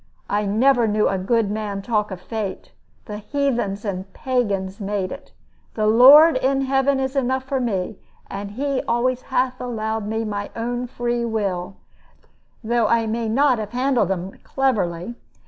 I never knew a good man talk of fate. The heathens and the pagans made it. The Lord in heaven is enough for me; and He always hath allowed me my own free will, though I may not have handled 'un cleverly.